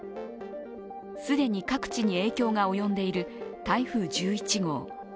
既に、各地に影響が及んでいる台風１１号。